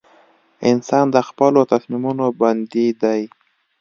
• انسان د خپلو تصمیمونو بندي دی.